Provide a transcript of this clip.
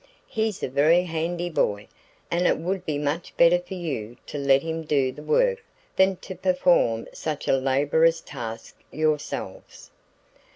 He's a very handy boy, and it would be much better for you to let him do the work than to perform such a laborious task yourselves."